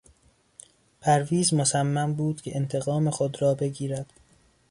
پرویز مصمم بود که انتقام خود را بگیرد.